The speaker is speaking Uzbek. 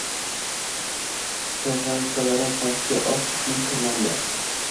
Krosovkalarni pastki oq qismi kirlandi.